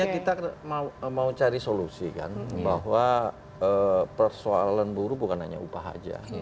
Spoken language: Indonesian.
kita mau cari solusi kan bahwa persoalan buruh bukan hanya upah saja